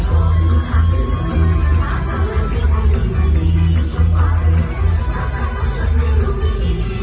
กลัวใจลืมลงทันเวียบาลไว้กลัวเอากลับไป